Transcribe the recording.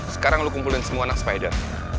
sekarang lo kumpulin semua anak spider